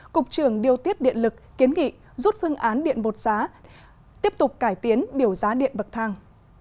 cục trưởng điều tiết điện lực kiến nghị rút phương án điện một giá tiếp tục cải tiến biểu giá điện bậc thang